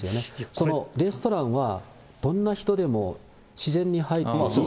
そのレストランは、どんな人でも自然に入れる。